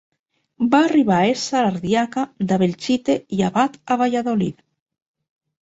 Va arribar a ésser ardiaca de Belchite i abat a Valladolid.